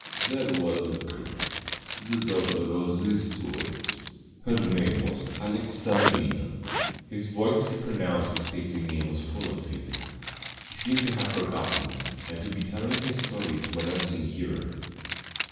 "There was a girl, the daughter of the steward; her name was Alexandrina." His voice as he pronounced the stately name was full of feeling. He seemed to have forgotten me, and to be telling his story to an unseen hearer.